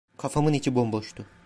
Kafamın içi bomboştu.